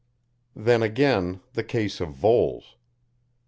Then again, the case of Voles.